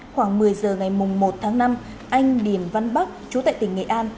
khoảng một mươi h ngày một tháng năm anh điền văn bắc trú tại tỉnh nghệ an